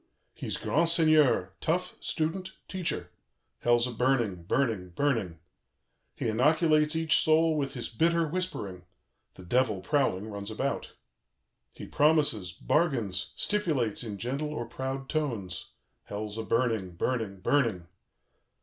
"He's grand seigneur, tough, student, teacher. Hell's a burning, burning, burning. "He inoculates each soul with his bitter whispering: the Devil, prowling, runs about. "He promises, bargains, stipulates in gentle or proud tones. Hell's a burning, burning, burning.